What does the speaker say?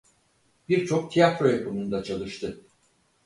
Birçok tiyatro yapımında çalıştı.